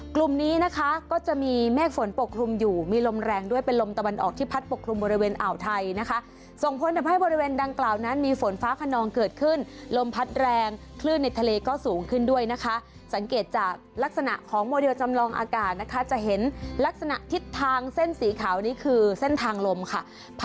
กลุ่มนี้นะคะก็จะมีเมฆฝนปกคลุมอยู่มีลมแรงด้วยเป็นลมตะวันออกที่พัดปกคลุมบริเวณอ่าวไทยนะคะส่งผลทำให้บริเวณดังกล่าวนั้นมีฝนฟ้าขนองเกิดขึ้นลมพัดแรงคลื่นในทะเลก็สูงขึ้นด้วยนะคะสังเกตจากลักษณะของโมเดลจำลองอากาศนะคะจะเห็นลักษณะทิศทางเส้นสีขาวนี้คือเส้นทางลมค่ะ